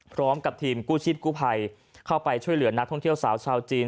พร้อมกับทีมกู้ชิดกู้ภัยเข้าไปช่วยเหลือนักท่องเที่ยวสาวชาวจีน